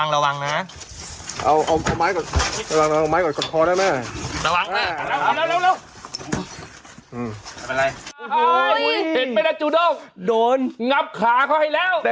ระวังตื่งผ้ามา